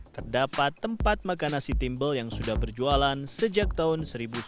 terdapat tempat makan nasi timbel yang sudah berjualan sejak tahun seribu sembilan ratus